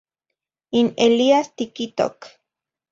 In Elías tiquitoc.